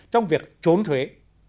trong việc trốn thuế